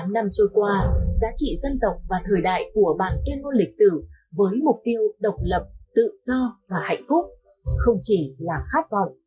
bốn mươi năm năm trôi qua giá trị dân tộc và thời đại của bản tuyên ngôn lịch sử với mục tiêu độc lập tự do và hạnh phúc không chỉ là khát vọng